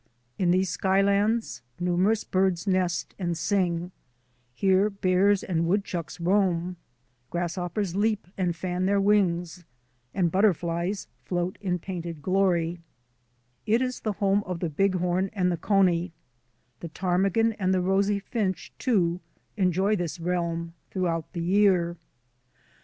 In these sky lands numerous birds nest and sing; here bears and woodchucks roam; grasshoppers leap and fan their wings, and butterflies float in painted glory. It is the home of the Bighorn and the cony; the THE ARCTIC ZONE OF HIGH MOUNTAINS 95 ptarmigan and the rosy finch, too, enjoy this realm throughout the year.